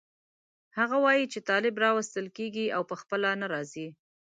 هغه وایي چې طالب راوستل کېږي او په خپله نه راځي.